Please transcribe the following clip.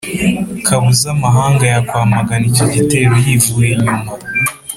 kabuza amahanga yakwamagana icyo gitero yivuye inyuma.